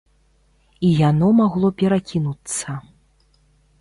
І яно магло перакінуцца.